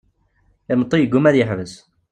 Imeṭṭi yegguma ad yeḥbes.